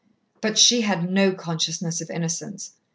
But she had no consciousness of innocence.